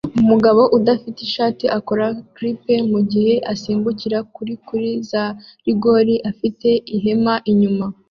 Umugabo udafite ishati akora flip mugihe asimbukira kuri kuri za rigore afite ihema inyuma